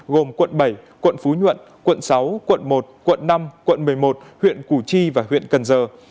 gồm quận bảy quận phú nhuận quận sáu quận một quận năm quận một mươi một huyện củ chi và huyện cần giờ